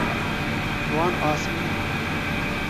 Wan asê nekir.